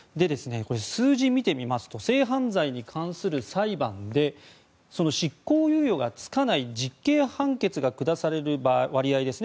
数字を見てみると性犯罪に関する裁判で執行猶予がつかない実刑判決が下される割合ですね。